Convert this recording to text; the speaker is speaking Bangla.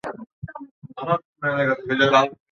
তার বাবা কলকাতার ব্যবসায়ী।